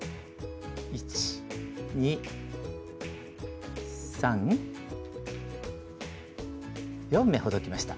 １２３４目ほどきました。